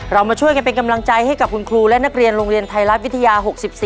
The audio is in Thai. เรามาช่วยกันเป็นกำลังใจให้กับคุณครูและนักเรียนโรงเรียนไทยรัฐวิทยา๖๔